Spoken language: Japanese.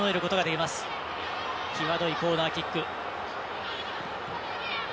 きわどいコーナーキック。